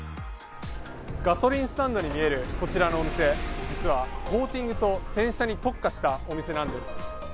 ガソリンスタンドに見えるこちらのお店実はコーティングと洗車に特化したお店なんです。